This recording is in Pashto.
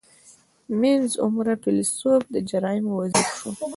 • منځ عمره فېلېسوف د جرایمو وزیر شو.